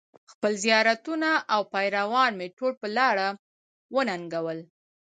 خپل زیارتونه او پیران مې ټول په لاره وننګول.